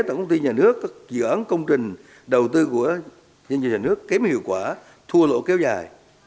tổng công ty nhà nước các dự án công trình đầu tư của doanh nghiệp nhà nước kém hiệu quả thua lỗ kéo dài